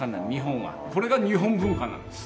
これが日本文化なんです。